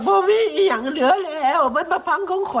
โอ้โห